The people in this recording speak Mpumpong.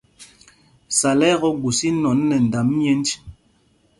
Sal ɛ tɔ gus inɔn nɛ ndam myēnj.